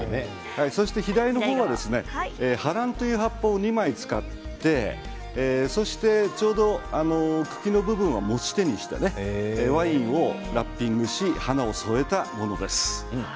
左の方はハランという葉っぱを２枚使ってちょうど茎の部分は持ち手にしたワインをラッピング、花を添えたものです。